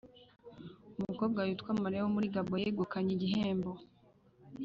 Umukobwa witwa Maria wo muri gabon yegukanye igikombe